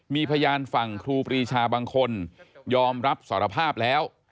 มีพยานฝั่งครูปรีชาบางคนยอมรับสารภาพแล้ว